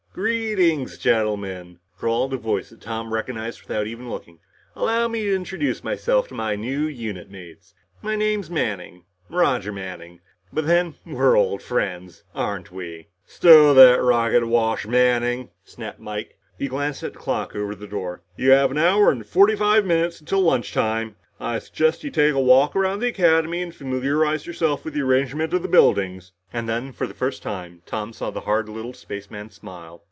"Greetings, gentlemen," drawled a voice that Tom recognized without even looking. "Allow me to introduce myself to my new unit mates. My name is Manning Roger Manning. But then, we're old friends, aren't we?" "Stow that rocket wash, Manning," snapped Mike. He glanced at the clock over the door. "You have an hour and forty five minutes until lunch time. I suggest you take a walk around the Academy and familiarize yourselves with the arrangement of the buildings." And then, for the first time, Tom saw the hard little spaceman smile.